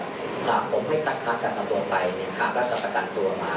ถ้าผมไม่คัดค้าจัดประตูะไปค้าก็จะประกันตัวมา